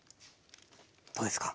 どうですか？